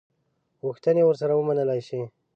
غوښتني ورسره ومنلي شي.